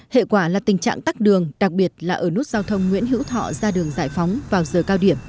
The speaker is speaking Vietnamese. hệ quả là tình trạng tắt đường đặc biệt là ở nút giao thông nguyễn hữu thọ ra đường giải phóng vào giờ cao điểm